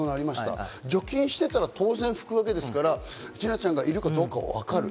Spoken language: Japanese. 除菌していたら当然吹くわけですから、千奈ちゃんがいるかどうかわかる。